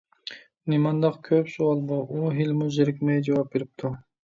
نېمانداق كۆپ سوئال بۇ؟ ! ئۇ ھېلىمۇ زېرىكمەي جاۋاب بېرىپتۇ.